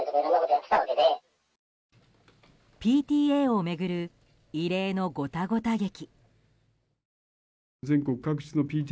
ＰＴＡを巡る異例のゴタゴタ劇。